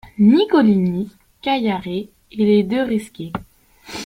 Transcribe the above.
Nicolini, Gayarré et les deux Rezké.